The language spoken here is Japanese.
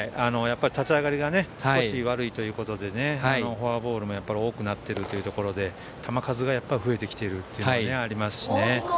立ち上がりが少し悪いということでフォアボールも多くなっているというところで球数が増えてきているというのもありますし。